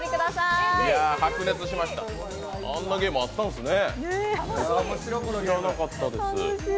白熱しました、あんなゲームあったんですね。